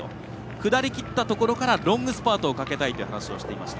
下りきったところからロングスパートをかけたいと話していました。